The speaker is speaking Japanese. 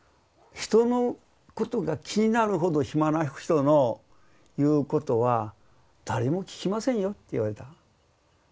人のことが気になるほど暇な人の言うことは誰も聞きませんよって言われた。